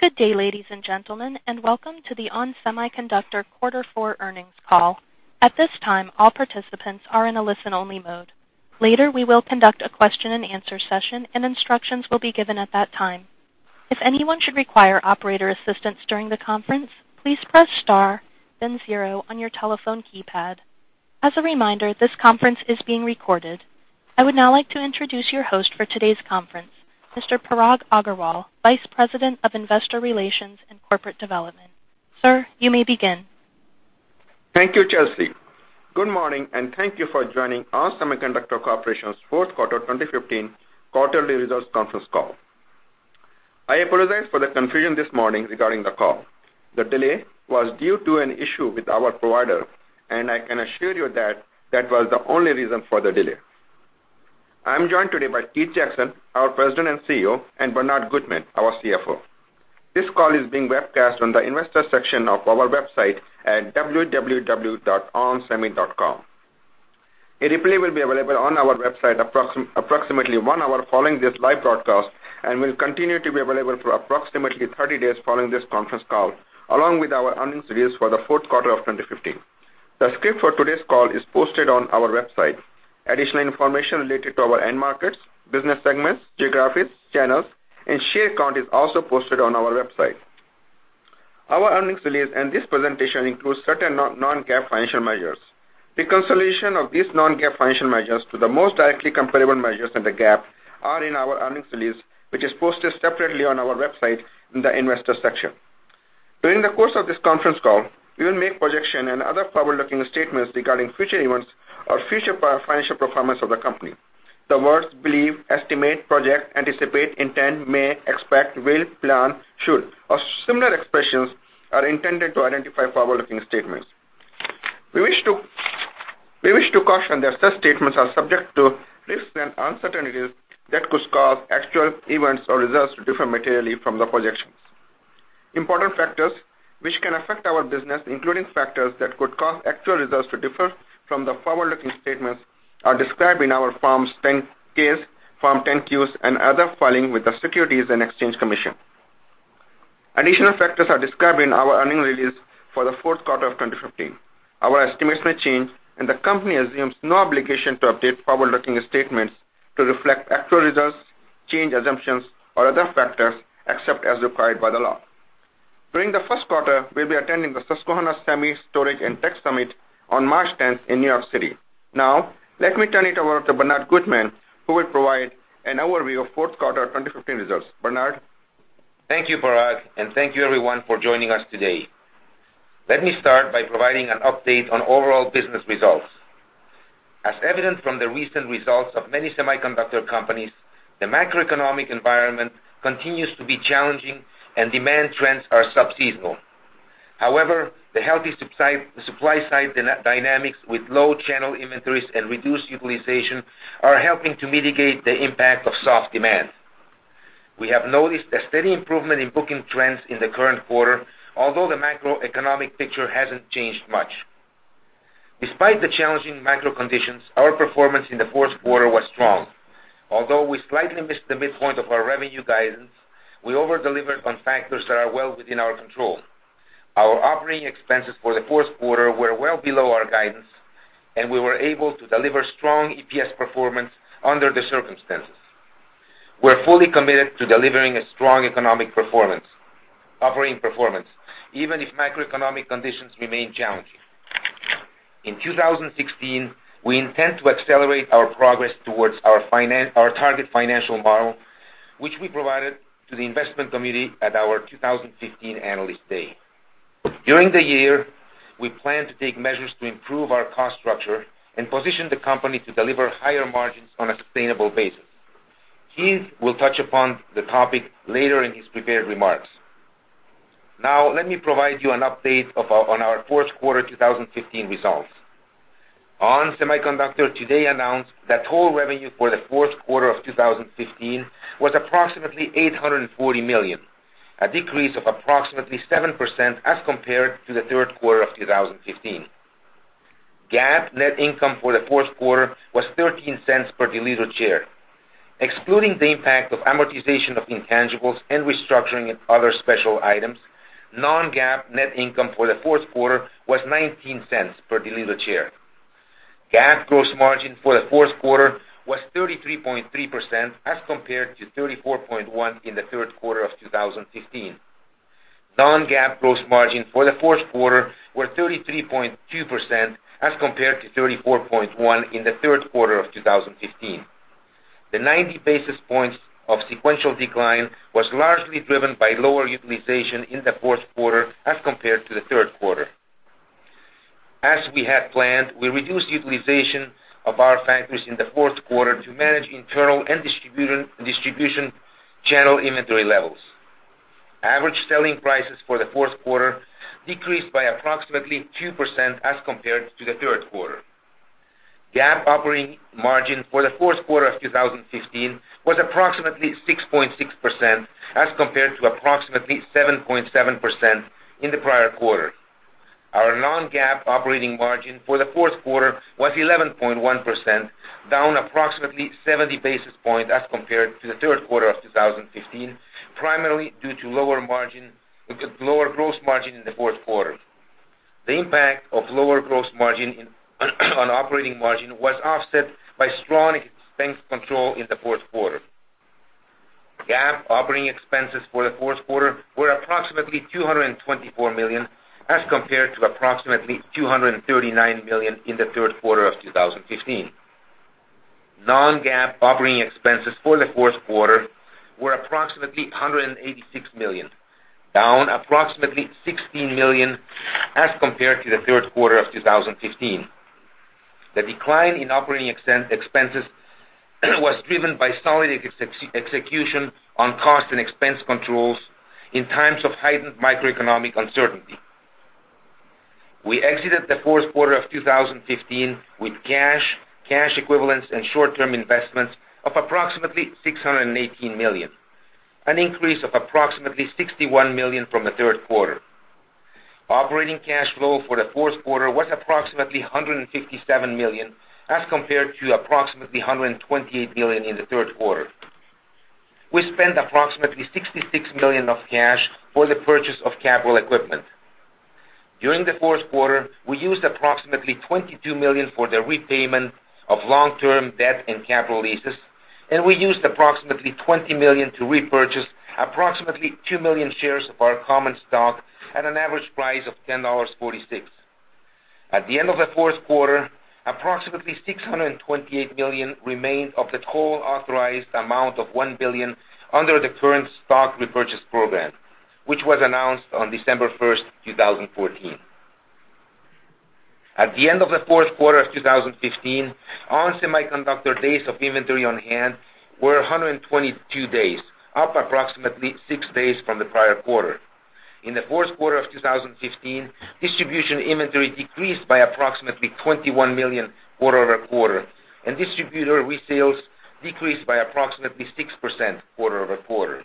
Good day, ladies and gentlemen, and welcome to the ON Semiconductor quarter four earnings call. At this time, all participants are in a listen only mode. Later, we will conduct a question and answer session and instructions will be given at that time. If anyone should require operator assistance during the conference, please press star then zero on your telephone keypad. As a reminder, this conference is being recorded. I would now like to introduce your host for today's conference, Mr. Parag Agarwal, Vice President of Investor Relations and Corporate Development. Sir, you may begin. Thank you, Chelsea. Good morning, and thank you for joining ON Semiconductor Corporation's fourth quarter 2015 quarterly results conference call. I apologize for the confusion this morning regarding the call. The delay was due to an issue with our provider, I can assure you that that was the only reason for the delay. I'm joined today by Keith Jackson, our President and CEO, and Bernard Gutmann, our CFO. This call is being webcast on the investor section of our website at www.onsemi.com. A replay will be available on our website approximately one hour following this live broadcast and will continue to be available for approximately 30 days following this conference call, along with our earnings release for the fourth quarter of 2015. The script for today's call is posted on our website. Additional information related to our end markets, business segments, geographies, channels, and share count is also posted on our website. Our earnings release and this presentation includes certain non-GAAP financial measures. Reconciliation of these non-GAAP financial measures to the most directly comparable measures in the GAAP are in our earnings release, which is posted separately on our website in the investor section. During the course of this conference call, we will make projections and other forward-looking statements regarding future events or future financial performance of the company. The words believe, estimate, project, anticipate, intend, may, expect, will, plan, should, or similar expressions are intended to identify forward-looking statements. We wish to caution that such statements are subject to risks and uncertainties that could cause actual events or results to differ materially from the projections. Important factors which can affect our business, including factors that could cause actual results to differ from the forward-looking statements, are described in our Forms 10-Ks, Form 10-Qs, and other filings with the Securities and Exchange Commission. Additional factors are described in our earnings release for the fourth quarter of 2015. Our estimates may change, the company assumes no obligation to update forward-looking statements to reflect actual results, changed assumptions, or other factors, except as required by the law. During the first quarter, we'll be attending the Susquehanna Semi, Storage and Tech Summit on March 10th in New York City. Let me turn it over to Bernard Gutmann, who will provide an overview of fourth quarter 2015 results. Bernard? Thank you, Parag, and thank you everyone for joining us today. Let me start by providing an update on overall business results. As evident from the recent results of many semiconductor companies, the macroeconomic environment continues to be challenging and demand trends are sub-seasonal. However, the healthy supply side dynamics with low channel inventories and reduced utilization are helping to mitigate the impact of soft demand. We have noticed a steady improvement in booking trends in the current quarter, although the macroeconomic picture hasn't changed much. Despite the challenging macro conditions, our performance in the fourth quarter was strong. Although we slightly missed the midpoint of our revenue guidance, we over-delivered on factors that are well within our control. Our operating expenses for the fourth quarter were well below our guidance, and we were able to deliver strong EPS performance under the circumstances. We're fully committed to delivering a strong operating performance, even if macroeconomic conditions remain challenging. In 2016, we intend to accelerate our progress towards our target financial model, which we provided to the investment community at our 2015 Analyst Day. During the year, we plan to take measures to improve our cost structure and position the company to deliver higher margins on a sustainable basis. Keith will touch upon the topic later in his prepared remarks. Let me provide you an update on our fourth quarter 2015 results. ON Semiconductor today announced that total revenue for the fourth quarter of 2015 was approximately $840 million, a decrease of approximately 7% as compared to the third quarter of 2015. GAAP net income for the fourth quarter was $0.13 per diluted share. Excluding the impact of amortization of intangibles and restructuring and other special items, non-GAAP net income for the fourth quarter was $0.19 per diluted share. GAAP gross margin for the fourth quarter was 33.3% as compared to 34.1% in the third quarter of 2015. Non-GAAP gross margin for the fourth quarter were 33.2% as compared to 34.1% in the third quarter of 2015. The 90 basis points of sequential decline was largely driven by lower utilization in the fourth quarter as compared to the third quarter. As we had planned, we reduced utilization of our factories in the fourth quarter to manage internal and distribution channel inventory levels. Average selling prices for the fourth quarter decreased by approximately 2% as compared to the third quarter. GAAP operating margin for the fourth quarter of 2015 was approximately 6.6% as compared to approximately 7.7% in the prior quarter. Our non-GAAP operating margin for the fourth quarter was 11.1%, down approximately 70 basis points as compared to the third quarter of 2015, primarily due to lower gross margin in the fourth quarter. The impact of lower gross margin on operating margin was offset by strong expense control in the fourth quarter. GAAP operating expenses for the fourth quarter were approximately $224 million, as compared to approximately $239 million in the third quarter of 2015. Non-GAAP operating expenses for the fourth quarter were approximately $186 million, down approximately $16 million as compared to the third quarter of 2015. The decline in operating expenses was driven by solid execution on cost and expense controls in times of heightened macroeconomic uncertainty. We exited the fourth quarter of 2015 with cash equivalents, and short-term investments of approximately $618 million, an increase of approximately $61 million from the third quarter. Operating cash flow for the fourth quarter was approximately $157 million, as compared to approximately $128 million in the third quarter. We spent approximately $66 million of cash for the purchase of capital equipment. During the fourth quarter, we used approximately $22 million for the repayment of long-term debt and capital leases, and we used approximately $20 million to repurchase approximately 2 million shares of our common stock at an average price of $10.46. At the end of the fourth quarter, approximately $628 million remained of the total authorized amount of $1 billion under the current stock repurchase program, which was announced on December 1st, 2014. At the end of the fourth quarter of 2015, ON Semiconductor days of inventory on hand were 122 days, up approximately six days from the prior quarter. In the fourth quarter of 2015, distribution inventory decreased by approximately $21 million quarter-over-quarter, and distributor resales decreased by approximately 6% quarter-over-quarter.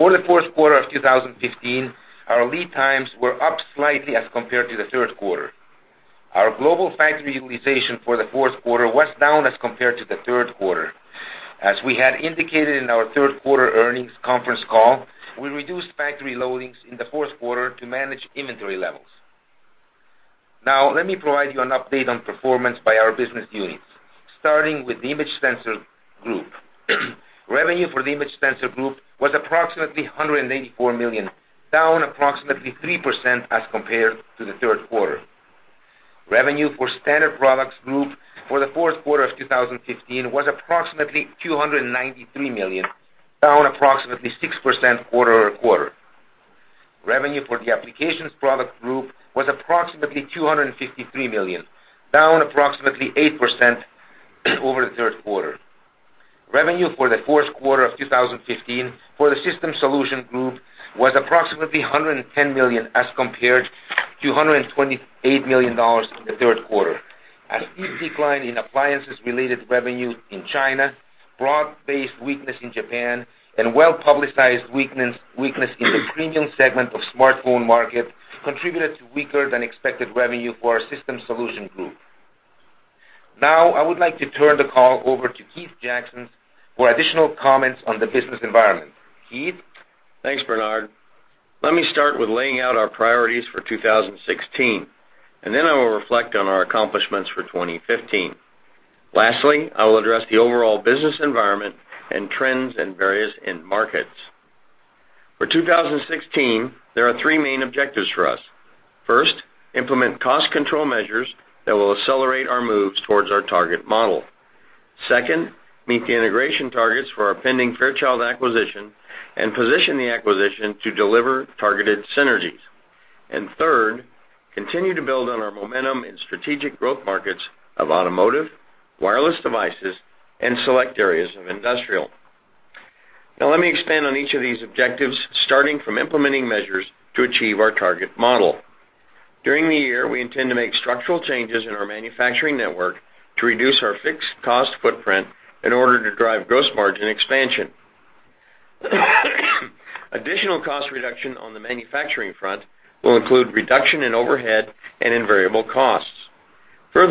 For the fourth quarter of 2015, our lead times were up slightly as compared to the third quarter. Our global factory utilization for the fourth quarter was down as compared to the third quarter. As we had indicated in our third quarter earnings conference call, we reduced factory loadings in the fourth quarter to manage inventory levels. Now, let me provide you an update on performance by our business units, starting with the Image Sensor Group. Revenue for the Image Sensor Group was approximately $184 million, down approximately 3% as compared to the third quarter. Revenue for Standard Products Group for the fourth quarter of 2015 was approximately $293 million, down approximately 6% quarter-over-quarter. Revenue for the Application Products Group was approximately $253 million, down approximately 8% over the third quarter. Revenue for the fourth quarter of 2015 for the System Solutions Group was approximately $110 million as compared to $128 million in the third quarter, as steep decline in appliances related revenue in China, broad-based weakness in Japan, and well-publicized weakness in the premium segment of smartphone market contributed to weaker than expected revenue for our System Solutions Group. Now, I would like to turn the call over to Keith Jackson for additional comments on the business environment. Keith? Thanks, Bernard. Let me start with laying out our priorities for 2016. Then I will reflect on our accomplishments for 2015. Lastly, I will address the overall business environment and trends in various end markets. For 2016, there are three main objectives for us. First, implement cost control measures that will accelerate our moves towards our target model. Second, meet the integration targets for our pending Fairchild acquisition and position the acquisition to deliver targeted synergies. Third, continue to build on our momentum in strategic growth markets of automotive, wireless devices, and select areas of industrial. Now, let me expand on each of these objectives, starting from implementing measures to achieve our target model. During the year, we intend to make structural changes in our manufacturing network to reduce our fixed cost footprint in order to drive gross margin expansion. Additional cost reduction on the manufacturing front will include reduction in overhead and in variable costs. During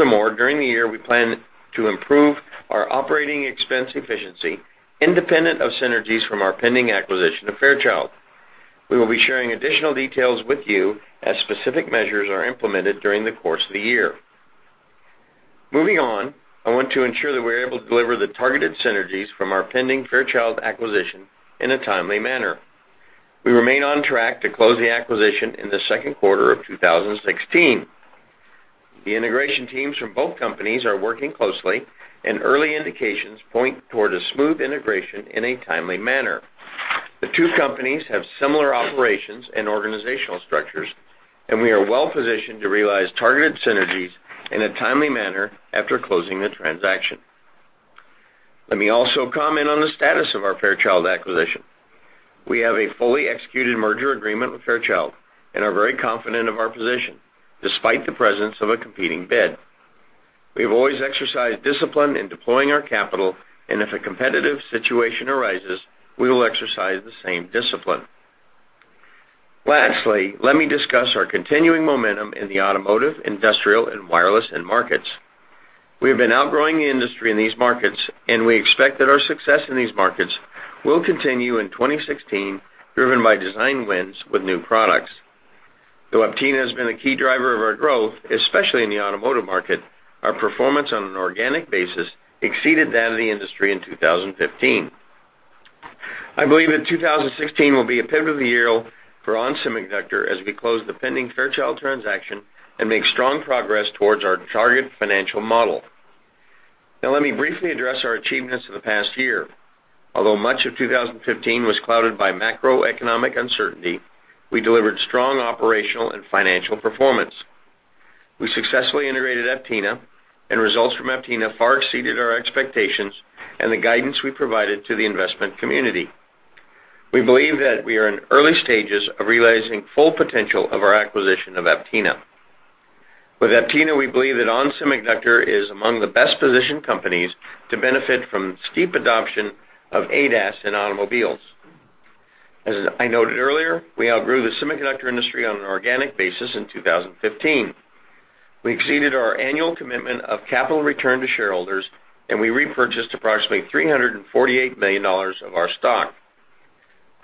the year, we plan to improve our operating expense efficiency independent of synergies from our pending acquisition of Fairchild. We will be sharing additional details with you as specific measures are implemented during the course of the year. I want to ensure that we're able to deliver the targeted synergies from our pending Fairchild acquisition in a timely manner. We remain on track to close the acquisition in the second quarter of 2016. The integration teams from both companies are working closely, and early indications point toward a smooth integration in a timely manner. The two companies have similar operations and organizational structures, and we are well positioned to realize targeted synergies in a timely manner after closing the transaction. Let me also comment on the status of our Fairchild acquisition. We have a fully executed merger agreement with Fairchild and are very confident of our position, despite the presence of a competing bid. We have always exercised discipline in deploying our capital, and if a competitive situation arises, we will exercise the same discipline. Let me discuss our continuing momentum in the automotive, industrial, and wireless end markets. We have been outgrowing the industry in these markets, and we expect that our success in these markets will continue in 2016, driven by design wins with new products. Though Aptina has been a key driver of our growth, especially in the automotive market, our performance on an organic basis exceeded that of the industry in 2015. I believe that 2016 will be a pivotal year for ON Semiconductor as we close the pending Fairchild transaction and make strong progress towards our target financial model. Let me briefly address our achievements of the past year. Much of 2015 was clouded by macroeconomic uncertainty, we delivered strong operational and financial performance. We successfully integrated Aptina, and results from Aptina far exceeded our expectations and the guidance we provided to the investment community. We believe that we are in early stages of realizing full potential of our acquisition of Aptina. With Aptina, we believe that ON Semiconductor is among the best-positioned companies to benefit from steep adoption of ADAS in automobiles. As I noted earlier, we outgrew the semiconductor industry on an organic basis in 2015. We exceeded our annual commitment of capital return to shareholders, and we repurchased approximately $348 million of our stock.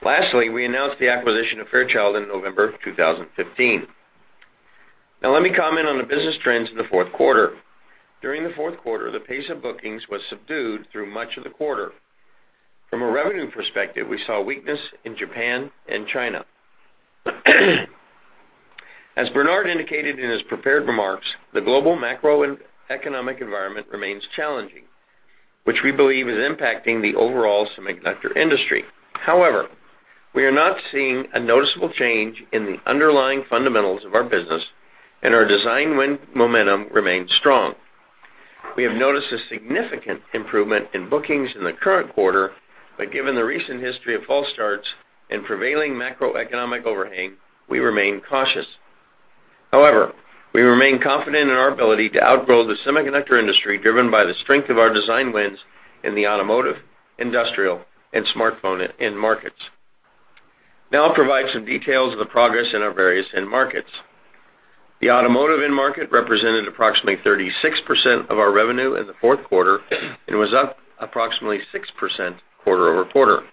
We announced the acquisition of Fairchild in November of 2015. Let me comment on the business trends in the fourth quarter. During the fourth quarter, the pace of bookings was subdued through much of the quarter. From a revenue perspective, we saw weakness in Japan and China. As Bernard indicated in his prepared remarks, the global macroeconomic environment remains challenging, which we believe is impacting the overall semiconductor industry. We are not seeing a noticeable change in the underlying fundamentals of our business, and our design win momentum remains strong. We have noticed a significant improvement in bookings in the current quarter, but given the recent history of false starts and prevailing macroeconomic overhang, we remain cautious. We remain confident in our ability to outgrow the semiconductor industry, driven by the strength of our design wins in the automotive, industrial, and smartphone end markets. Now I'll provide some details of the progress in our various end markets. The automotive end market represented approximately 36% of our revenue in the fourth quarter and was up approximately 6% quarter-over-quarter.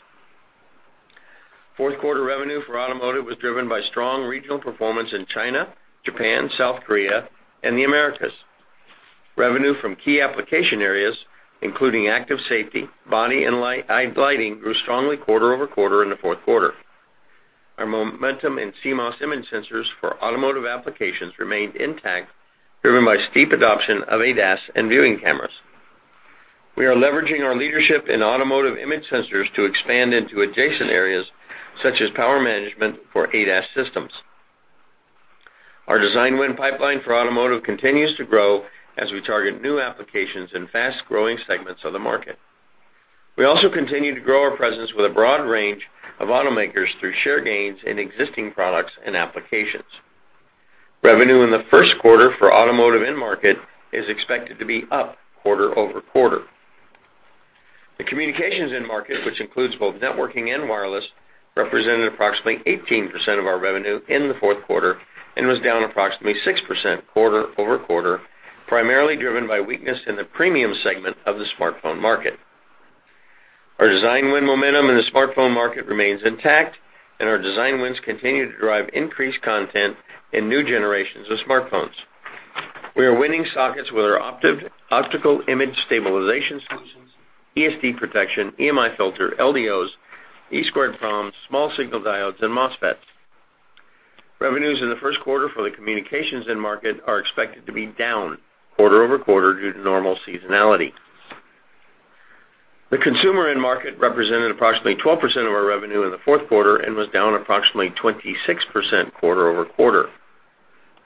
Fourth quarter revenue for automotive was driven by strong regional performance in China, Japan, South Korea, and the Americas. Revenue from key application areas, including active safety, body, and lighting, grew strongly quarter-over-quarter in the fourth quarter. Our momentum in CMOS image sensors for automotive applications remained intact, driven by steep adoption of ADAS and viewing cameras. We are leveraging our leadership in automotive image sensors to expand into adjacent areas, such as power management for ADAS systems. Our design win pipeline for automotive continues to grow as we target new applications in fast-growing segments of the market. We also continue to grow our presence with a broad range of automakers through share gains in existing products and applications. Revenue in the first quarter for automotive end market is expected to be up quarter-over-quarter. The communications end market, which includes both networking and wireless, represented approximately 18% of our revenue in the fourth quarter and was down approximately 6% quarter-over-quarter, primarily driven by weakness in the premium segment of the smartphone market. Our design win momentum in the smartphone market remains intact. Our design wins continue to drive increased content in new generations of smartphones. We are winning sockets with our optical image stabilization solutions, ESD protection, EMI filter, LDOs, EEPROMs, small signal diodes, and MOSFETs. Revenues in the first quarter for the communications end market are expected to be down quarter-over-quarter due to normal seasonality. The consumer end market represented approximately 12% of our revenue in the fourth quarter and was down approximately 26% quarter-over-quarter.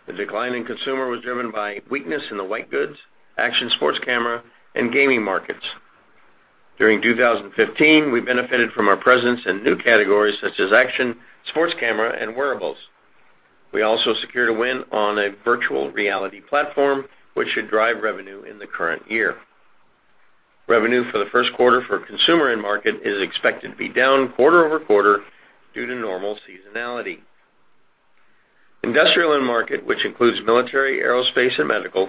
The decline in consumer was driven by weakness in the white goods, action sports camera, and gaming markets. During 2015, we benefited from our presence in new categories such as action, sports camera, and wearables. We also secured a win on a virtual reality platform, which should drive revenue in the current year. Revenue for the first quarter for consumer end market is expected to be down quarter-over-quarter due to normal seasonality. Industrial end market, which includes military, aerospace, and medical,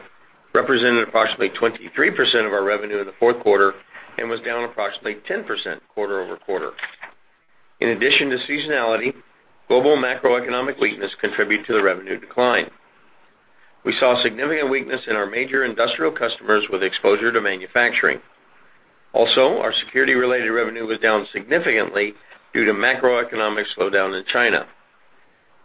represented approximately 23% of our revenue in the fourth quarter and was down approximately 10% quarter-over-quarter. In addition to seasonality, global macroeconomic weakness contributed to the revenue decline. We saw significant weakness in our major industrial customers with exposure to manufacturing. Our security-related revenue was down significantly due to macroeconomic slowdown in China.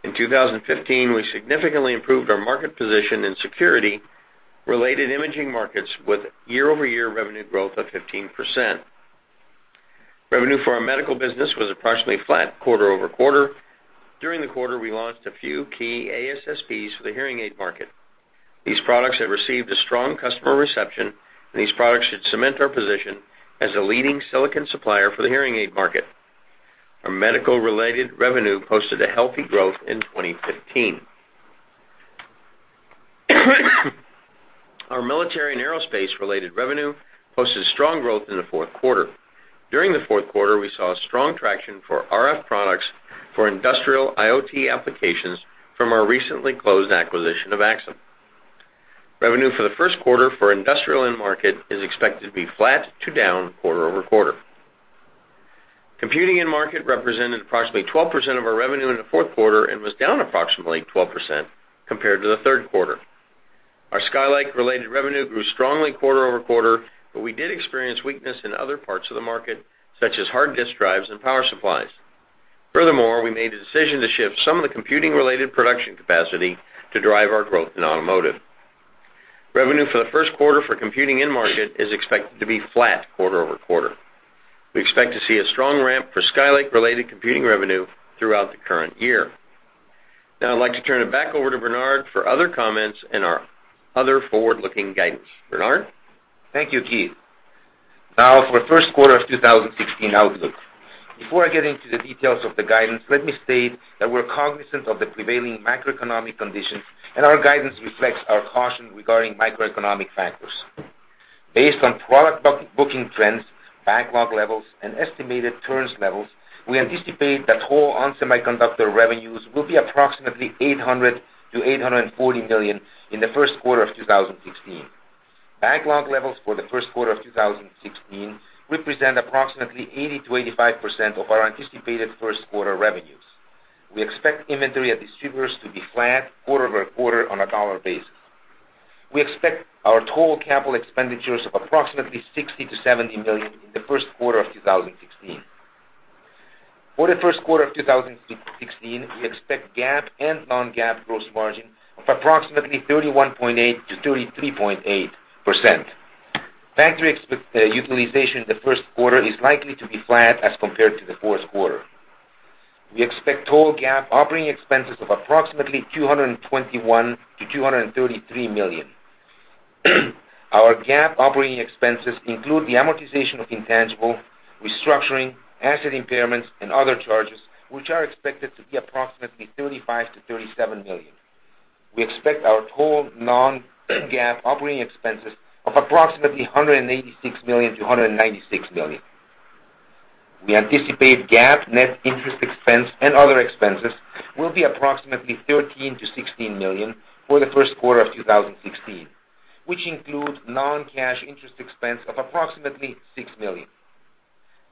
In 2015, we significantly improved our market position in security-related imaging markets with year-over-year revenue growth of 15%. Revenue for our medical business was approximately flat quarter-over-quarter. During the quarter, we launched a few key ASSPs for the hearing aid market. These products have received a strong customer reception. These products should cement our position as a leading silicon supplier for the hearing aid market. Our medical-related revenue posted a healthy growth in 2015. Our military and aerospace-related revenue posted strong growth in the fourth quarter. During the fourth quarter, we saw a strong traction for RF products for industrial IoT applications from our recently closed acquisition of AXSEM. Revenue for the first quarter for industrial end market is expected to be flat to down quarter-over-quarter. Computing end market represented approximately 12% of our revenue in the fourth quarter and was down approximately 12% compared to the third quarter. Our Skylake-related revenue grew strongly quarter-over-quarter, but we did experience weakness in other parts of the market, such as hard disk drives and power supplies. Furthermore, we made the decision to shift some of the computing-related production capacity to drive our growth in automotive. Revenue for the first quarter for computing end market is expected to be flat quarter-over-quarter. We expect to see a strong ramp for Skylake-related computing revenue throughout the current year. Now I'd like to turn it back over to Bernard for other comments and our other forward-looking guidance. Bernard? Thank you, Keith. Now for first quarter of 2016 outlook. Before I get into the details of the guidance, let me state that we're cognizant of the prevailing macroeconomic condition, and our guidance reflects our caution regarding macroeconomic factors. Based on product booking trends, backlog levels, and estimated turns levels, we anticipate that whole ON Semiconductor revenues will be approximately $800 million-$840 million in the first quarter of 2016. Backlog levels for the first quarter of 2016 represent approximately 80%-85% of our anticipated first quarter revenues. We expect inventory at distributors to be flat quarter-over-quarter on a dollar basis. We expect our total capital expenditures of approximately $60 million-$70 million in the first quarter of 2016. For the first quarter of 2016, we expect GAAP and non-GAAP gross margin of approximately 31.8%-33.8%. Factory utilization in the first quarter is likely to be flat as compared to the fourth quarter. We expect total GAAP operating expenses of approximately $221 million-$233 million. Our GAAP operating expenses include the amortization of intangible, restructuring, asset impairments, and other charges, which are expected to be approximately $35 million-$37 million. We expect our total non-GAAP operating expenses of approximately $186 million-$196 million. We anticipate GAAP net interest expense and other expenses will be approximately $13 million-$16 million for the first quarter of 2016, which includes non-cash interest expense of approximately $6 million.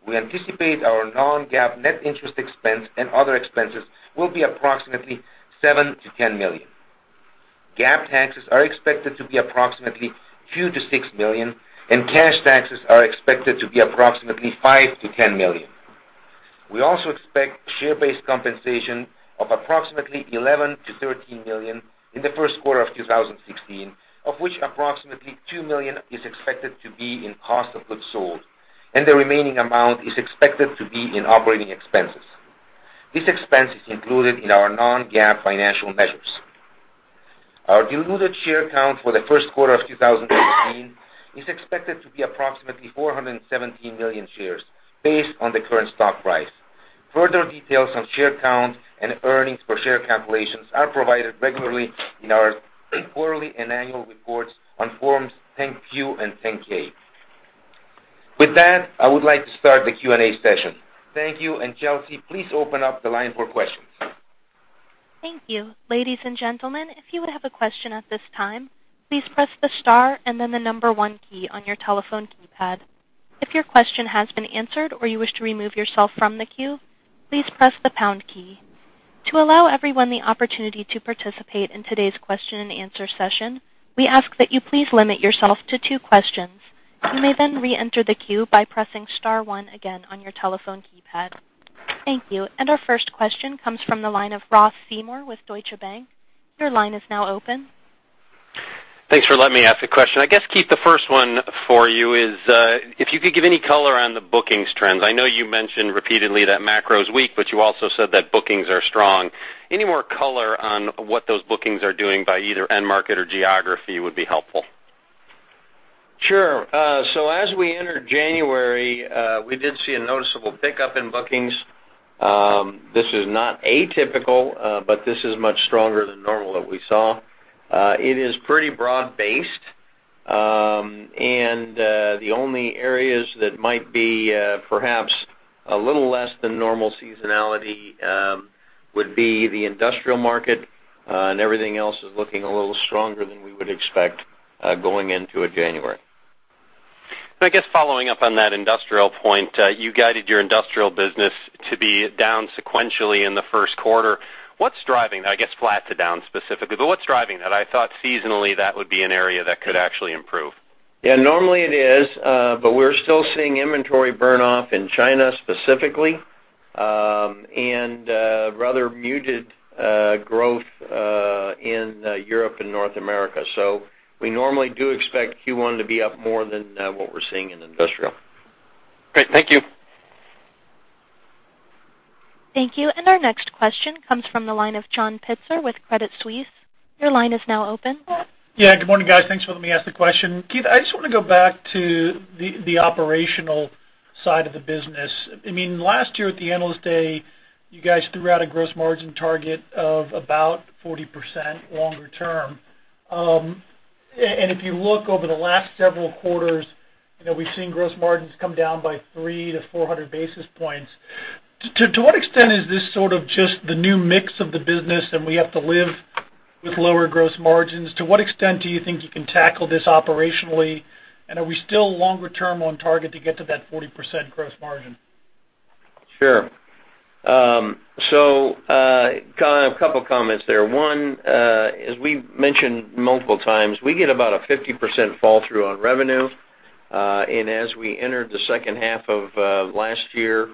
We anticipate our non-GAAP net interest expense and other expenses will be approximately $7 million-$10 million. GAAP taxes are expected to be approximately $2 million-$6 million, and cash taxes are expected to be approximately $5 million-$10 million. We also expect share-based compensation of approximately $11 million-$13 million in the first quarter of 2016, of which approximately $2 million is expected to be in cost of goods sold, and the remaining amount is expected to be in operating expenses. This expense is included in our non-GAAP financial measures. Our diluted share count for the first quarter of 2016 is expected to be approximately 417 million shares based on the current stock price. Further details on share count and earnings per share calculations are provided regularly in our quarterly and annual reports on Forms 10-Q and 10-K. With that, I would like to start the Q&A session. Thank you, and Chelsea, please open up the line for questions. Thank you. Ladies and gentlemen, if you would have a question at this time, please press the star and then the number 1 key on your telephone keypad. If your question has been answered or you wish to remove yourself from the queue, please press the pound key. To allow everyone the opportunity to participate in today's question and answer session, we ask that you please limit yourself to two questions. You may then reenter the queue by pressing star 1 again on your telephone keypad. Thank you. Our 1st question comes from the line of Ross Seymore with Deutsche Bank. Your line is now open. Thanks for letting me ask a question. I guess, Keith, the 1st one for you is, if you could give any color on the bookings trends. I know you mentioned repeatedly that macro is weak, but you also said that bookings are strong. Any more color on what those bookings are doing by either end market or geography would be helpful. Sure. As we entered January, we did see a noticeable pickup in bookings. This is not atypical, but this is much stronger than normal that we saw. It is pretty broad based. The only areas that might be perhaps a little less than normal seasonality would be the industrial market, and everything else is looking a little stronger than we would expect going into a January. I guess following up on that industrial point, you guided your industrial business to be down sequentially in the 1st quarter. What's driving that? I guess flat to down specifically, but what's driving that? I thought seasonally, that would be an area that could actually improve. Normally it is, but we're still seeing inventory burn-off in China specifically, and rather muted growth in Europe and North America. We normally do expect Q1 to be up more than what we're seeing in industrial. Great. Thank you. Thank you. Our next question comes from the line of John Pitzer with Credit Suisse. Your line is now open. Good morning, guys. Thanks for letting me ask the question. Keith, I just want to go back to the operational side of the business. Last year at the Analyst Day, you guys threw out a gross margin target of about 40% longer term. If you look over the last several quarters, we've seen gross margins come down by 3 to 400 basis points. To what extent is this sort of just the new mix of the business and we have to live with lower gross margins? To what extent do you think you can tackle this operationally? Are we still longer term on target to get to that 40% gross margin? Sure. A couple of comments there. One, as we mentioned multiple times, we get about a 50% fall through on revenue. As we entered the second half of last year,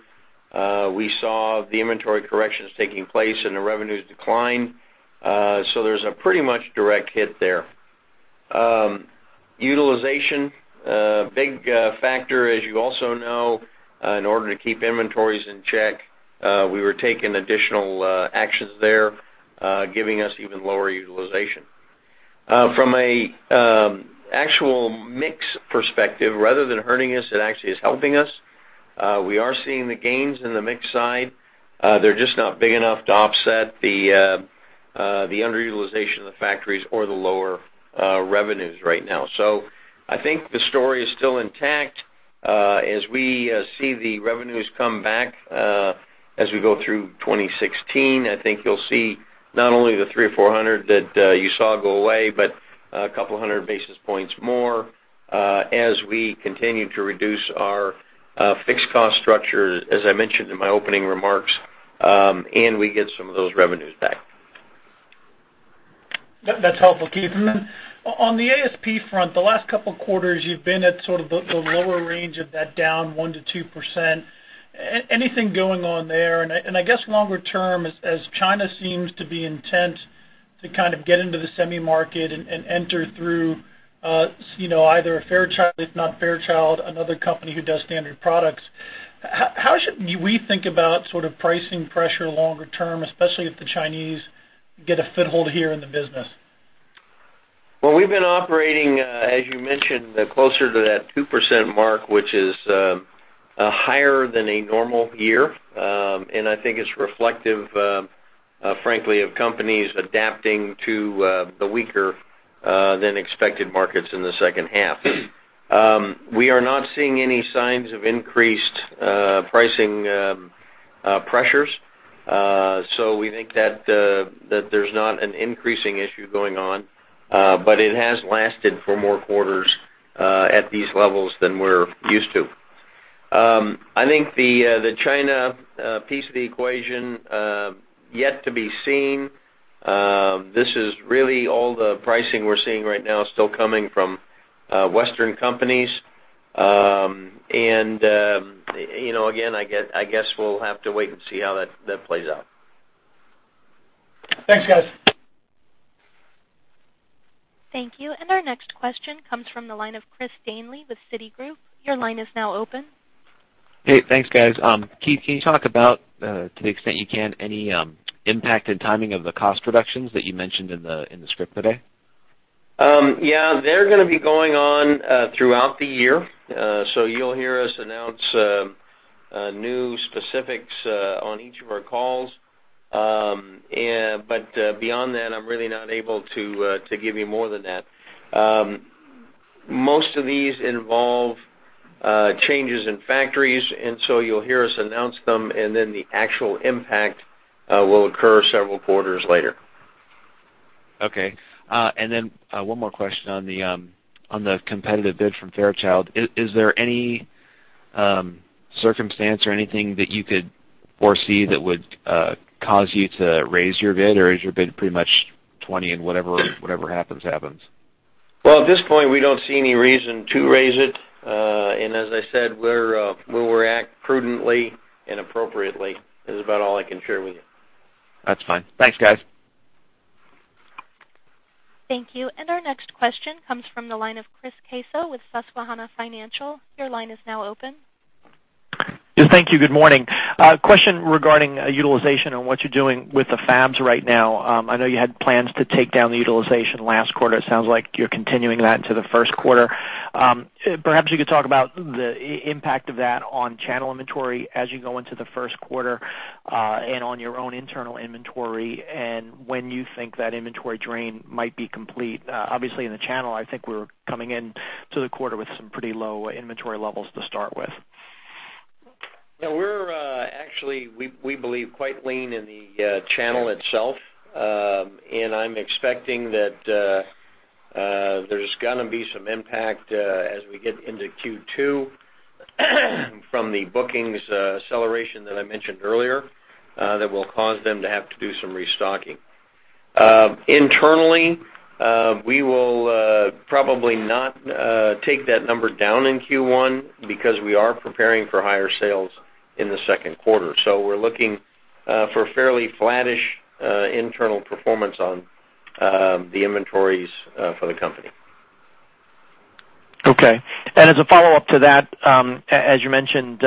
we saw the inventory corrections taking place and the revenues decline. There's a pretty much direct hit there. Utilization, big factor, as you also know, in order to keep inventories in check, we were taking additional actions there giving us even lower utilization. From an actual mix perspective, rather than hurting us, it actually is helping us. We are seeing the gains in the mix side. They're just not big enough to offset the underutilization of the factories or the lower revenues right now. I think the story is still intact. As we see the revenues come back as we go through 2016, I think you'll see not only the 300 or 400 that you saw go away, but a couple of hundred basis points more as we continue to reduce our fixed cost structure, as I mentioned in my opening remarks, and we get some of those revenues back. That's helpful, Keith. On the ASP front, the last couple of quarters, you've been at sort of the lower range of that down 1%-2%. Anything going on there? I guess longer term, as China seems to be intent to kind of get into the semi market and enter through either Fairchild, if not Fairchild, another company who does standard products, how should we think about sort of pricing pressure longer term, especially if the Chinese get a foothold here in the business? We've been operating, as you mentioned, closer to that 2% mark, which is higher than a normal year. I think it's reflective, frankly, of companies adapting to the weaker-than-expected markets in the second half. We are not seeing any signs of increased pricing pressures. We think that there's not an increasing issue going on, but it has lasted for more quarters at these levels than we're used to. I think the China piece of the equation yet to be seen. This is really all the pricing we're seeing right now still coming from Western companies. Again, I guess we'll have to wait and see how that plays out. Thanks, guys. Thank you. Our next question comes from the line of Chris Danely with Citigroup. Your line is now open. Hey, thanks, guys. Keith, can you talk about, to the extent you can, any impact and timing of the cost reductions that you mentioned in the script today? Yeah, they're going to be going on throughout the year. You'll hear us announce new specifics on each of our calls. Beyond that, I'm really not able to give you more than that. Most of these involve changes in factories, and so you'll hear us announce them, and then the actual impact will occur several quarters later. Okay. Then one more question on the competitive bid from Fairchild. Is there any circumstance or anything that you could foresee that would cause you to raise your bid, or is your bid pretty much 20 and whatever happens? Well, at this point, we don't see any reason to raise it. As I said, we'll react prudently and appropriately is about all I can share with you. That's fine. Thanks, guys. Thank you. Our next question comes from the line of Chris Caso with Susquehanna Financial. Your line is now open. Thank you. Good morning. A question regarding utilization and what you're doing with the fabs right now. I know you had plans to take down the utilization last quarter. It sounds like you're continuing that into the first quarter. Perhaps you could talk about the impact of that on channel inventory as you go into the first quarter and on your own internal inventory and when you think that inventory drain might be complete. Obviously, in the channel, I think we're coming in to the quarter with some pretty low inventory levels to start with. We're actually, we believe, quite lean in the channel itself. I'm expecting that there's going to be some impact as we get into Q2 from the bookings acceleration that I mentioned earlier that will cause them to have to do some restocking. Internally, we will probably not take that number down in Q1 because we are preparing for higher sales in the second quarter. We're looking for fairly flattish internal performance on the inventories for the company. Okay. As a follow-up to that, as you mentioned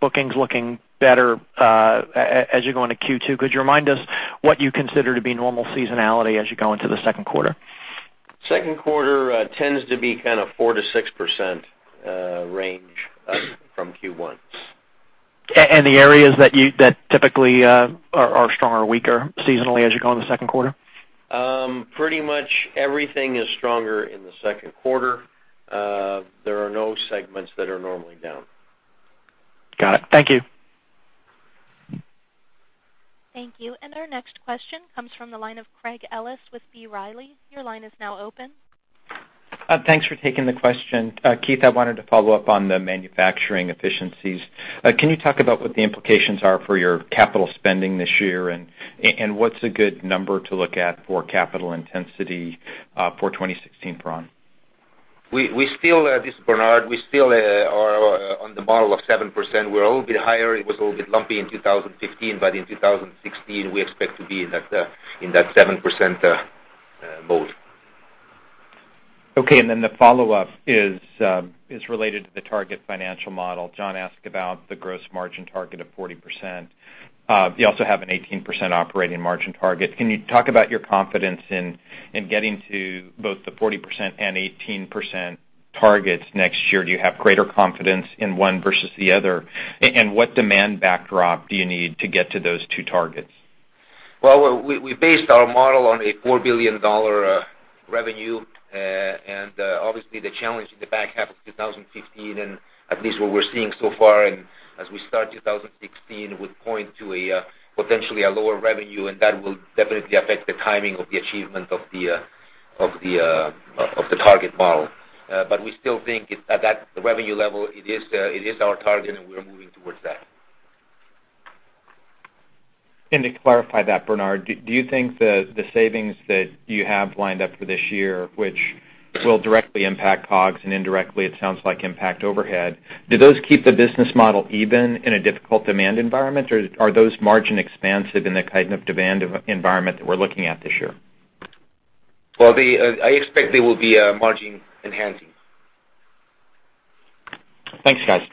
bookings looking better as you go into Q2, could you remind us what you consider to be normal seasonality as you go into the second quarter? Second quarter tends to be kind of 4%-6% range from Q1. The areas that typically are stronger or weaker seasonally as you go in the second quarter? Pretty much everything is stronger in the second quarter. There are no segments that are normally down. Got it. Thank you. Thank you. Our next question comes from the line of Craig Ellis with B. Riley. Your line is now open. Thanks for taking the question. Keith, I wanted to follow up on the manufacturing efficiencies. Can you talk about what the implications are for your capital spending this year, and what's a good number to look at for capital intensity for 2016 for ON? We still, this is Bernard, we are on the model of 7%. We're a little bit higher. It was a little bit lumpy in 2015, in 2016, we expect to be in that 7% mode. Okay, the follow-up is related to the target financial model. John asked about the gross margin target of 40%. You also have an 18% operating margin target. Can you talk about your confidence in getting to both the 40% and 18% targets next year? Do you have greater confidence in one versus the other? What demand backdrop do you need to get to those two targets? Well, we based our model on a $4 billion revenue, and obviously the challenge in the back half of 2015 and at least what we're seeing so far, and as we start 2016, would point to potentially a lower revenue, and that will definitely affect the timing of the achievement of the target model. We still think at that revenue level, it is our target and we're moving towards that. To clarify that, Bernard, do you think the savings that you have lined up for this year, which will directly impact COGS and indirectly, it sounds like, impact overhead, do those keep the business model even in a difficult demand environment, or are those margin expansive in the kind of demand environment that we're looking at this year? Well, I expect they will be margin enhancing. Thanks, guys.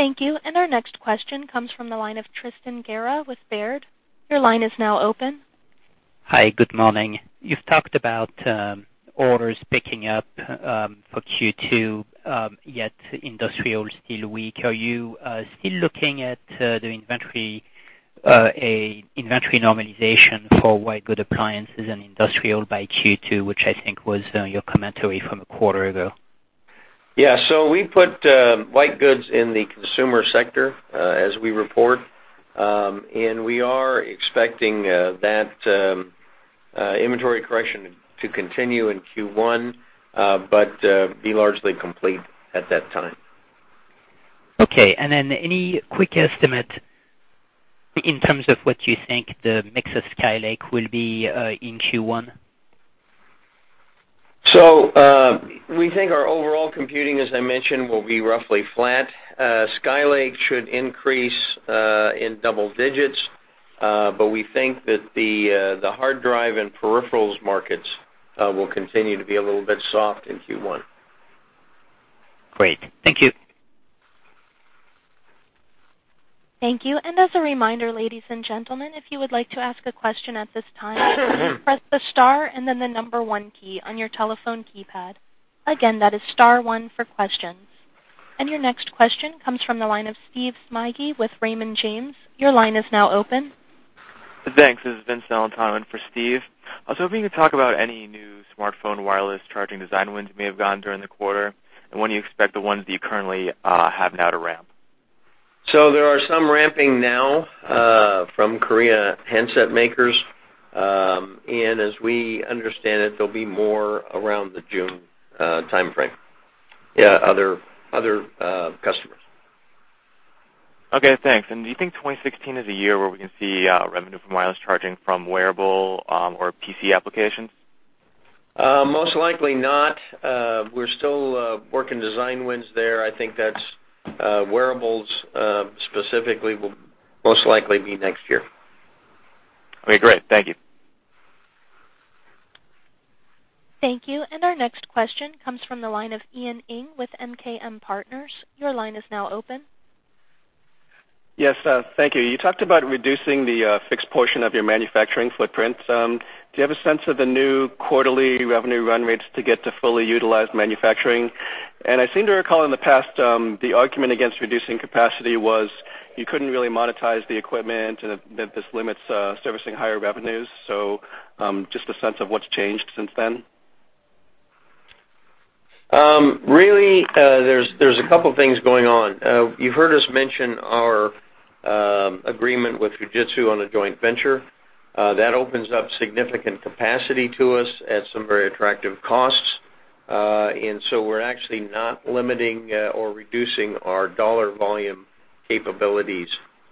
Thank you. Our next question comes from the line of Tristan Gerra with Baird. Your line is now open. Hi, good morning. You've talked about orders picking up for Q2, yet industrial is still weak. Are you still looking at the inventory normalization for white good appliances and industrial by Q2, which I think was your commentary from a quarter ago? Yeah. We put white goods in the consumer sector as we report. We are expecting that inventory correction to continue in Q1, but be largely complete at that time. Okay, any quick estimate in terms of what you think the mix of Skylake will be in Q1? We think our overall computing, as I mentioned, will be roughly flat. Skylake should increase in double digits, but we think that the hard drive and peripherals markets will continue to be a little bit soft in Q1. Great. Thank you. Thank you. As a reminder, ladies and gentlemen, if you would like to ask a question at this time, press the star and then the number 1 key on your telephone keypad. Again, that is star 1 for questions. Your next question comes from the line of Steve Smigie with Raymond James. Your line is now open. Thanks. This is Vince Celentano for Steve. I was hoping to talk about any new smartphone wireless charging design wins you may have gotten during the quarter, and when do you expect the ones that you currently have now to ramp? There are some ramping now from Korea handset makers. As we understand it, there will be more around the June timeframe. Yeah, other customers. Okay, thanks. Do you think 2016 is a year where we can see revenue from wireless charging from wearable or PC applications? Most likely not. We're still working design wins there. I think that's wearables, specifically, will most likely be next year. Okay, great. Thank you. Thank you. Our next question comes from the line of Ian Ing with MKM Partners. Your line is now open. Yes. Thank you. You talked about reducing the fixed portion of your manufacturing footprint. Do you have a sense of the new quarterly revenue run rates to get to fully utilized manufacturing? I seem to recall in the past, the argument against reducing capacity was you couldn't really monetize the equipment, and that this limits servicing higher revenues. Just a sense of what's changed since then. Really, there's 2 things going on. You've heard us mention our agreement with Fujitsu on a joint venture. That opens up significant capacity to us at some very attractive costs. We're actually not limiting or reducing our dollar volume capabilities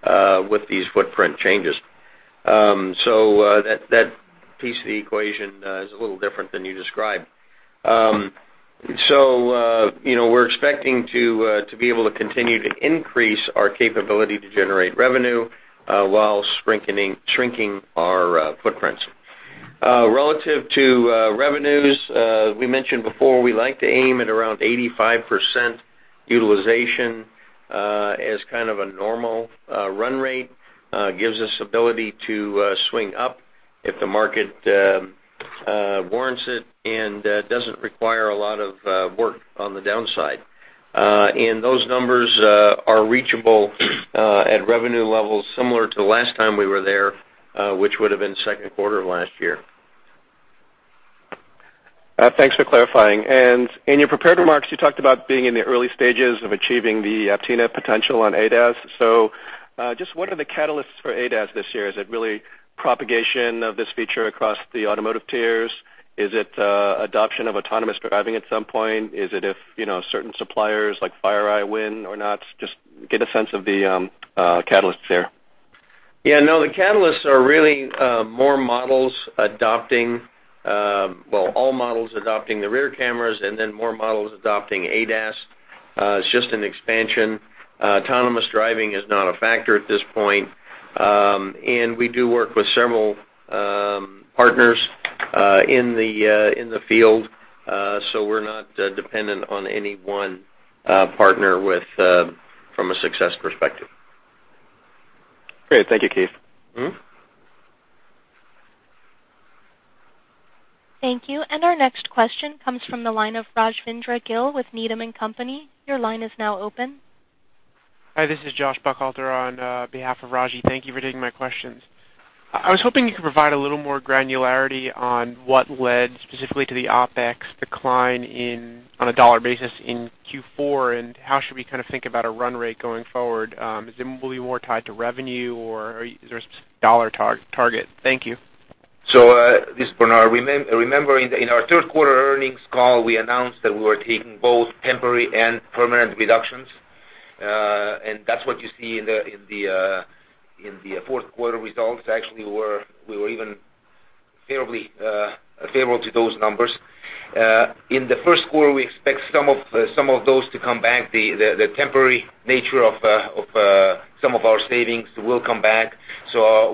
with these footprint changes. That piece of the equation is a little different than you described. We're expecting to be able to continue to increase our capability to generate revenue while shrinking our footprints. Relative to revenues, we mentioned before, we like to aim at around 85% utilization as kind of a normal run rate. Gives us ability to swing up if the market warrants it and doesn't require a lot of work on the downside. Those numbers are reachable at revenue levels similar to last time we were there, which would have been second quarter of last year. Thanks for clarifying. In your prepared remarks, you talked about being in the early stages of achieving the Aptina potential on ADAS. Just what are the catalysts for ADAS this year? Is it really propagation of this feature across the automotive tiers? Is it adoption of autonomous driving at some point? Is it if certain suppliers like Mobileye win or not? Just get a sense of the catalysts there. Yeah, no, the catalysts are really more models adopting, well, all models adopting the rear cameras and then more models adopting ADAS. It's just an expansion. Autonomous driving is not a factor at this point. We do work with several partners in the field, so we're not dependent on any one partner from a success perspective. Great. Thank you, Keith. Thank you. Our next question comes from the line of Rajvindra Gill with Needham & Company. Your line is now open. Hi, this is Joshua Buchalter on behalf of Raji. Thank you for taking my questions. I was hoping you could provide a little more granularity on what led specifically to the OpEx decline on a dollar basis in Q4, how should we kind of think about a run rate going forward? Is it going to be more tied to revenue, or is there a specific dollar target? Thank you. This is Bernard. Remember, in our third quarter earnings call, we announced that we were taking both temporary and permanent reductions, that's what you see in the fourth quarter results. Actually, we were even favorable to those numbers. In the first quarter, we expect some of those to come back. The temporary nature of some of our savings will come back.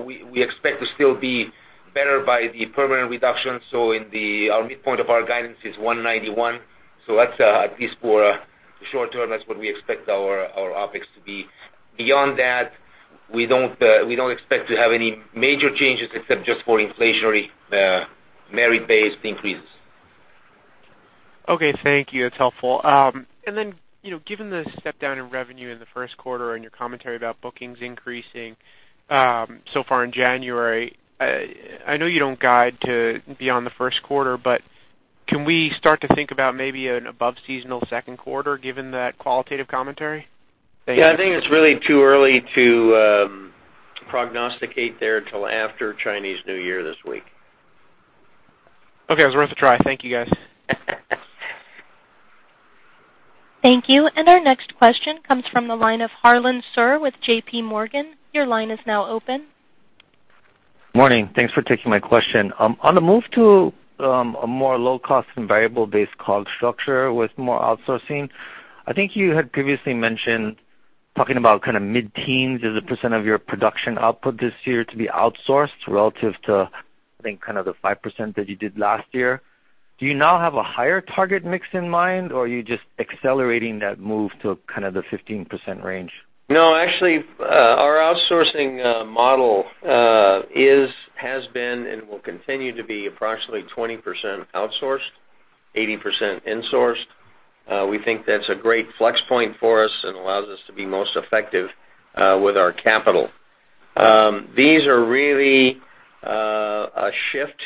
We expect to still be better by the permanent reduction. Our midpoint of our guidance is $191. At least for short term, that's what we expect our OpEx to be. Beyond that, we don't expect to have any major changes except just for inflationary merit-based increases. Okay, thank you. That's helpful. Given the step down in revenue in the first quarter and your commentary about bookings increasing so far in January, I know you don't guide to beyond the first quarter, but can we start to think about maybe an above-seasonal second quarter given that qualitative commentary? Thank you. Yeah, I think it's really too early to prognosticate there till after Chinese New Year this week. Okay. It was worth a try. Thank you, guys. Thank you. Our next question comes from the line of Harlan Sur with J.P. Morgan. Your line is now open. Morning. Thanks for taking my question. On the move to a more low-cost and variable-based cost structure with more outsourcing, I think you had previously mentioned talking about kind of mid-teens as a % of your production output this year to be outsourced relative to, I think, kind of the 5% that you did last year. Do you now have a higher target mix in mind, or are you just accelerating that move to kind of the 15% range? No, actually, our outsourcing model has been and will continue to be approximately 20% outsourced, 80% insourced. We think that's a great flex point for us and allows us to be most effective with our capital. These are really a shift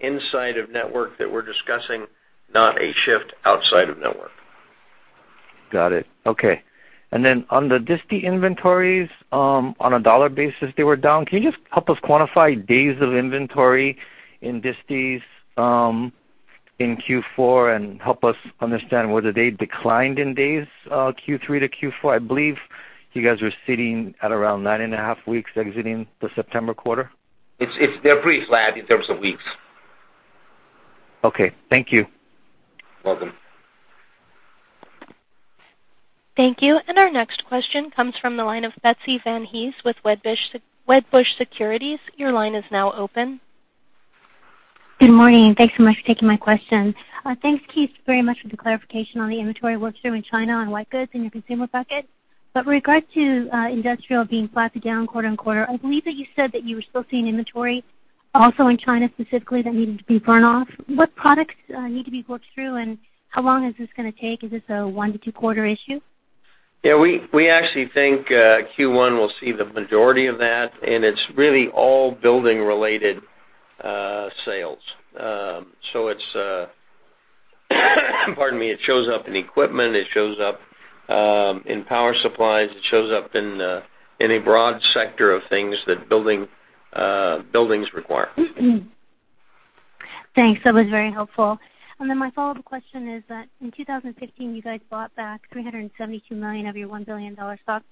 inside of network that we're discussing, not a shift outside of network. Got it. Okay. On the disti inventories, on a dollar basis, they were down. Can you just help us quantify days of inventory in distis in Q4 and help us understand whether they declined in days Q3 to Q4? I believe you guys were sitting at around nine and a half weeks exiting the September quarter. They're pretty flat in terms of weeks. Okay. Thank you. Welcome. Thank you. Our next question comes from the line of Betsy Van Hees with Wedbush Securities. Your line is now open. Good morning, and thanks so much for taking my question. Thanks, Keith, very much for the clarification on the inventory work through in China on white goods in your consumer bucket. With regard to industrial being flat to down quarter-over-quarter, I believe that you said that you were still seeing inventory also in China specifically that needed to be burnt off. What products need to be worked through, and how long is this going to take? Is this a 1 to 2 quarter issue? Yeah, we actually think Q1 will see the majority of that, and it's really all building-related sales. It shows up in equipment, it shows up in power supplies, it shows up in a broad sector of things that buildings require. Thanks. That was very helpful. My follow-up question is that in 2015, you guys bought back $372 million of your $1 billion stock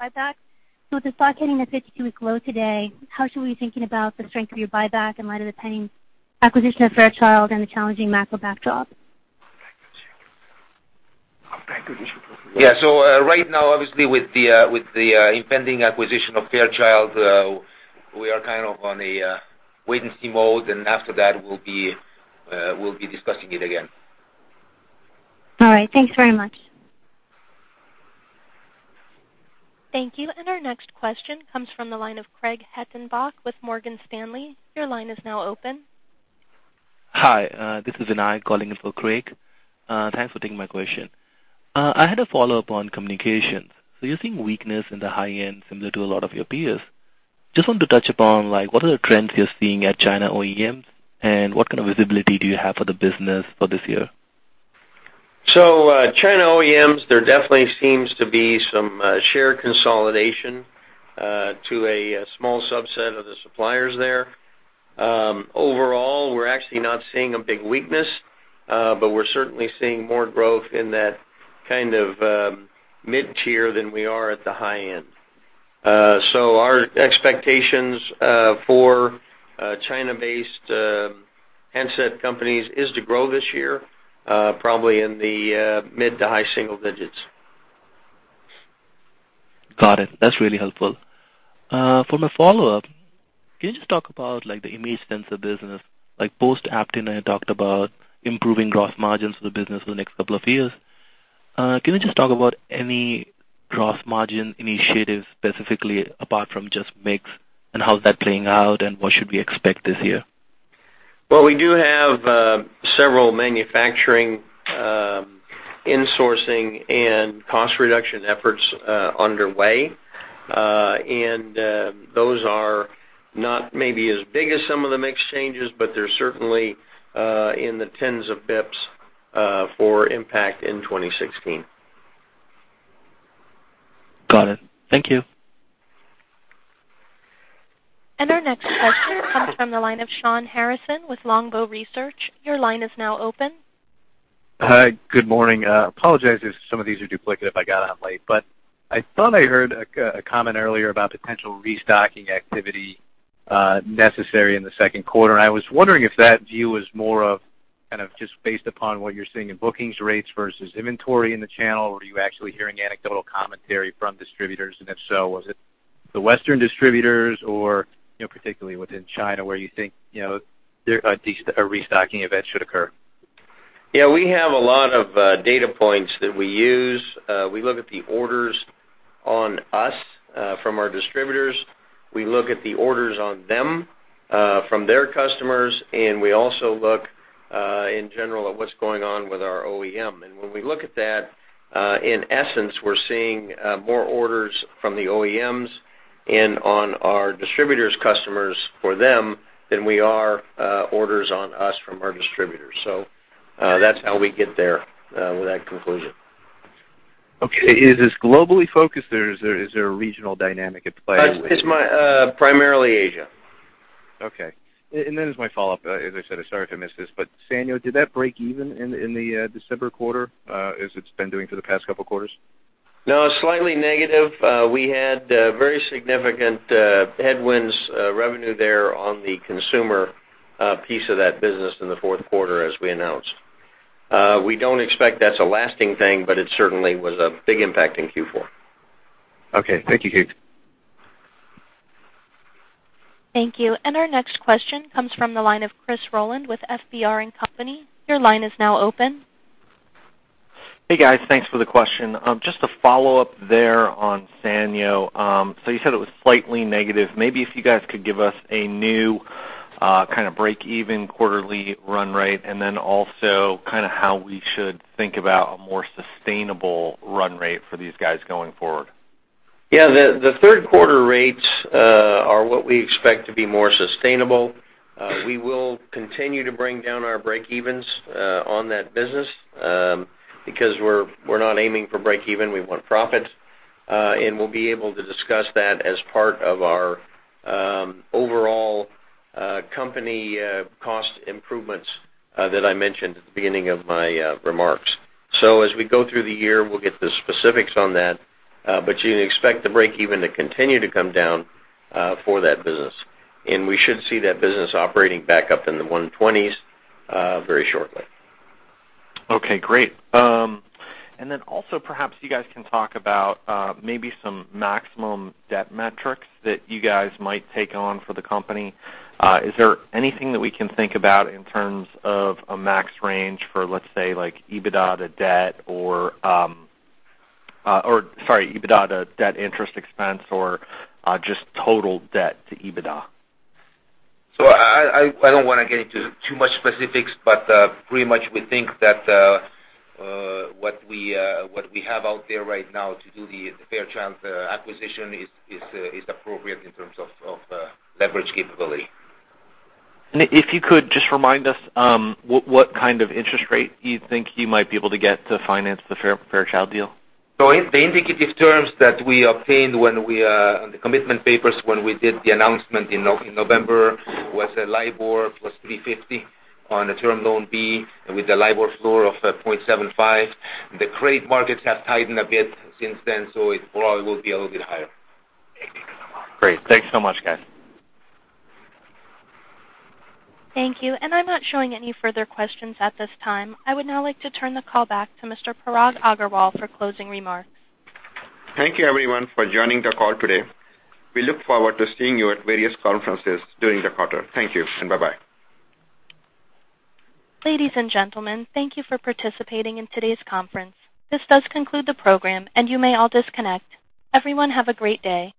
buyback. With the stock hitting a 52-week low today, how should we be thinking about the strength of your buyback in light of the pending acquisition of Fairchild and the challenging macro backdrop? Yeah. Right now, obviously with the impending acquisition of Fairchild, we are kind of on a wait-and-see mode. After that, we'll be discussing it again. All right. Thanks very much. Thank you. Our next question comes from the line of Craig Hettenbach with Morgan Stanley. Your line is now open. Hi, this is Vinay calling in for Craig. Thanks for taking my question. I had a follow-up on communications. You're seeing weakness in the high-end similar to a lot of your peers. Just wanted to touch upon what are the trends you're seeing at China OEMs, and what kind of visibility do you have for the business for this year? China OEMs, there definitely seems to be some share consolidation to a small subset of the suppliers there. Overall, we're actually not seeing a big weakness, but we're certainly seeing more growth in that kind of mid-tier than we are at the high end. Our expectations for China-based handset companies is to grow this year probably in the mid to high single digits. Got it. That's really helpful. For my follow-up, can you just talk about the image sensor business, like post-Aptina, you talked about improving gross margins for the business for the next couple of years. Can you just talk about any gross margin initiatives specifically apart from just mix and how's that playing out and what should we expect this year? We do have several manufacturing insourcing and cost reduction efforts underway. Those are not maybe as big as some of the mix changes, but they're certainly in the tens of basis points for impact in 2016. Got it. Thank you. Our next question comes from the line of Shawn Harrison with Longbow Research. Your line is now open. Hi, good morning. Apologize if some of these are duplicative. I got on late. I thought I heard a comment earlier about potential restocking activity necessary in the second quarter. I was wondering if that view is more of kind of just based upon what you're seeing in bookings rates versus inventory in the channel, or are you actually hearing anecdotal commentary from distributors? If so, was it the Western distributors or particularly within China where you think a restocking event should occur? Yeah, we have a lot of data points that we use. We look at the orders on us from our distributors. We look at the orders on them from their customers, and we also look in general at what's going on with our OEM. When we look at that, in essence, we're seeing more orders from the OEMs and on our distributors' customers for them than we are orders on us from our distributors. That's how we get there with that conclusion. Okay. Is this globally focused or is there a regional dynamic at play? It's primarily Asia. Okay. As my follow-up, as I said, sorry if I missed this, SANYO, did that break even in the December quarter as it's been doing for the past couple quarters? No, slightly negative. We had very significant headwinds revenue there on the consumer piece of that business in the fourth quarter as we announced. We don't expect that's a lasting thing, but it certainly was a big impact in Q4. Okay. Thank you, Keith. Thank you. Our next question comes from the line of Christopher Rolland with FBR & Co.. Your line is now open. Hey, guys. Thanks for the question. Just a follow-up there on Sanyo. You said it was slightly negative. Maybe if you guys could give us a new kind of break-even quarterly run rate, and then also kind of how we should think about a more sustainable run rate for these guys going forward. The third quarter rates are what we expect to be more sustainable. We will continue to bring down our break evens on that business, because we're not aiming for break even. We want profits. We'll be able to discuss that as part of our overall company cost improvements that I mentioned at the beginning of my remarks. As we go through the year, we'll get the specifics on that. You can expect the break even to continue to come down for that business. We should see that business operating back up in the 120s very shortly. Okay, great. Then also perhaps you guys can talk about maybe some maximum debt metrics that you guys might take on for the company. Is there anything that we can think about in terms of a max range for, let's say, like EBITDA to debt, or sorry, EBITDA to debt interest expense or just total debt to EBITDA? I don't want to get into too much specifics, but pretty much we think that what we have out there right now to do the Fairchild acquisition is appropriate in terms of leverage capability. If you could just remind us what kind of interest rate you think you might be able to get to finance the Fairchild deal? The indicative terms that we obtained on the commitment papers when we did the announcement in November was a LIBOR plus 350 on a term loan B with a LIBOR floor of 0.75. The credit markets have tightened a bit since then, it probably will be a little bit higher. Great. Thanks so much, guys. Thank you. I'm not showing any further questions at this time. I would now like to turn the call back to Mr. Parag Agarwal for closing remarks. Thank you everyone for joining the call today. We look forward to seeing you at various conferences during the quarter. Thank you and bye-bye. Ladies and gentlemen, thank you for participating in today's conference. This does conclude the program, and you may all disconnect. Everyone have a great day.